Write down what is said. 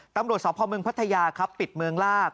ตำรวจสพเมืองพัทยาครับปิดเมืองลาก